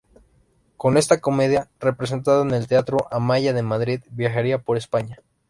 Con esta comedia, representada en el Teatro Amaya de Madrid, viajaría por España.